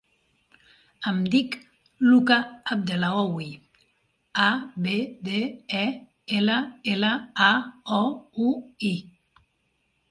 Em dic Luka Abdellaoui: a, be, de, e, ela, ela, a, o, u, i.